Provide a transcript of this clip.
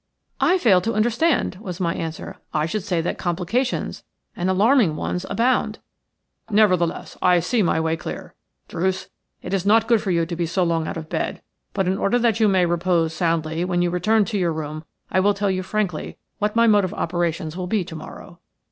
"I fail to understand," was my answer. "I should say that complications, and alarming ones, abound." "Nevertheless, I see my way clear. Druce, it is not good for you to be so long out of bed, but in order that you may repose soundly when you return to your room I will tell you frankly what my mode of operations will be to morrow.